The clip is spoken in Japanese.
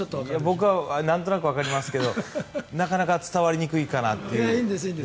僕はなんとなくわかりますけどなかなか伝わりにくいかなと。